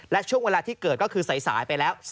และช่วงเวลาที่เกิดก็คือสายไปแล้ว